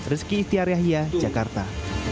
rizki istiar yahya jakarta